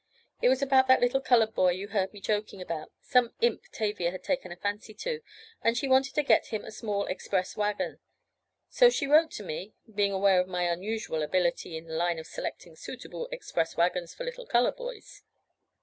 It was about that little colored boy you heard me joking about—some imp Tavia had taken a fancy to, and she wanted to get him a small express wagon. So she wrote to me, being aware of my unusual ability in the line of selecting suitable express wagons for little colored boys."